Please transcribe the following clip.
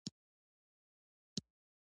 شعر او ادب په روانه ژبه خوند کوي.